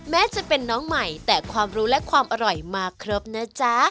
แม้จะเป็นน้องใหม่แต่ความรู้และความอร่อยมาครบนะจ๊ะ